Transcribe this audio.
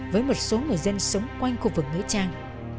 với một số người dân sống quanh khu vực nghĩa trang